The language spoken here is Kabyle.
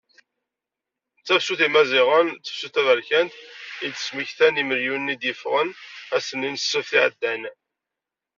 D tafsut n Yimaziɣen akked tefsut taberkant, i d-smektan yimelyan i d-yeffɣen ass-nni n ssebt iɛeddan.